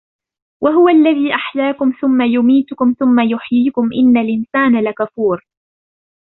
وَهُوَ الَّذِي أَحْيَاكُمْ ثُمَّ يُمِيتُكُمْ ثُمَّ يُحْيِيكُمْ إِنَّ الْإِنْسَانَ لَكَفُورٌ